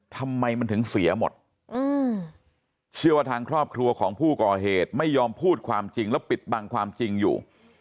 ทำไมมันถึงเสียหมดเชื่อว่าทางครอบครัวของผู้ก่อเหตุไม่ยอมพูดความจริงแล้วปิดบังความจริงอยู่